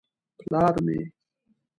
_ پلار مې.